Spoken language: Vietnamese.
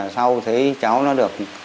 sau thấy cháu nó được